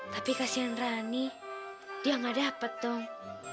tapi kasihan rani dia nggak dapet dong